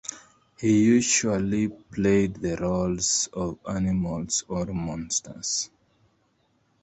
He usually played the roles of animals or monsters.